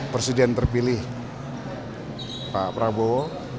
presiden terpilih pak prabowo